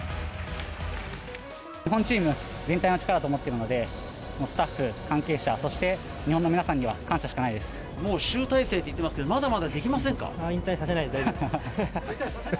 日本チーム、全体の力だと思っているので、スタッフ、関係者、そして日本の皆さんには、感謝しもう集大成と言ってますが、引退させないので大丈夫です。